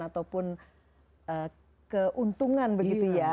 ataupun keuntungan begitu ya